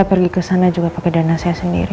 saya pergi ke sana juga pakai dana saya sendiri